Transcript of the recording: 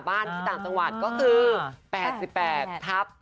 บ้านที่ต่างจังหวัดก็คือ๘๘ทับ๑๓๐